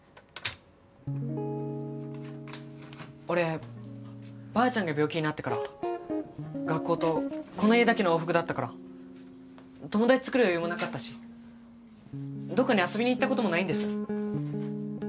俺ばあちゃんが病気になってから学校とこの家だけの往復だったから友達作る余裕もなかったしどっかに遊びに行った事もないんです。